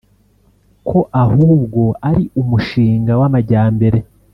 ko ahubwo ari umushinga w’amajyambere